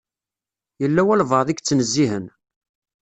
Yella walebɛaḍ i yettnezzihen.